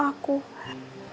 aku mau mencari